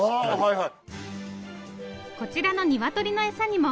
はい。